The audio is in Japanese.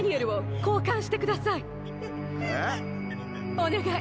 お願い